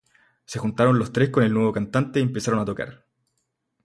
Se juntaron los tres con el nuevo cantante y empezaron a tocar.